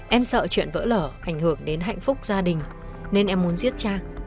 em sợ chuyện vỡ lở ảnh hưởng đến hạnh phúc gia đình nên em muốn giết cha